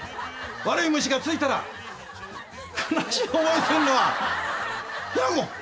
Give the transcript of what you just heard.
悪い虫が付いたら悲しい思いするのは日奈子！